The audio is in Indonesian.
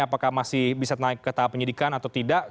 apakah masih bisa naik ke tahap penyidikan atau tidak